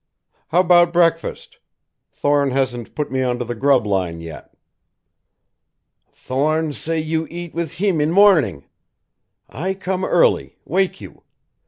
"How about breakfast? Thorne hasn't put me on to the grub line yet." "Thorne say you eat with heem in mornin'. I come early wake you.